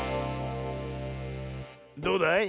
どうだい？